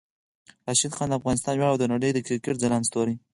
راشد خان د افغانستان ویاړ او د نړۍ د کرکټ ځلانده ستوری